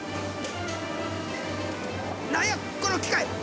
何やこの機械！？